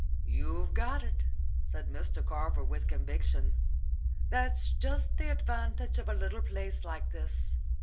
"You've got it," said Mr Carver, with conviction. "That's just the advantage of a little place like this.